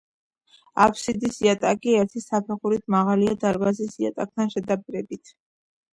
აბსიდის იატაკი ერთი საფეხურით მაღალია დარბაზის იატაკთან შედარებით.